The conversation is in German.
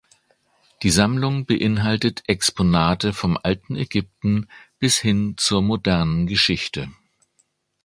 Die Sammlung beinhaltet Exponate vom alten Ägypten bis hin zur modernen Geschichte.